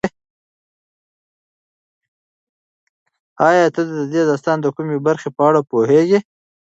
ایا ته د دې داستان د کومې برخې په اړه ډېر پوهېږې؟